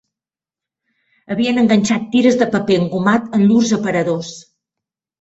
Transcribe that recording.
Havien enganxat tires de paper engomat en llurs aparadors